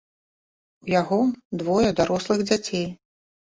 У яго двое дарослых дзяцей.